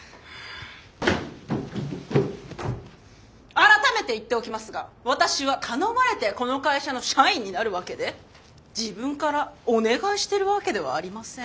改めて言っておきますが私は頼まれてこの会社の社員になるわけで自分からお願いしてるわけではありません。